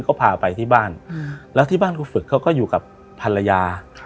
ก็พาไปที่บ้านแล้วที่บ้านครูฝึกเขาก็อยู่กับภรรยา